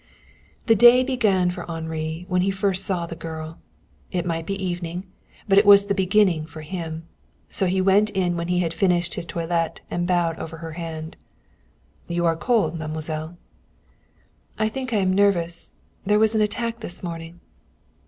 The day began for Henri when first he saw the girl. It might be evening, but it was the beginning for him. So he went in when he had finished his toilet and bowed over her hand. "You are cold, mademoiselle." "I think I am nervous. There was an attack this morning."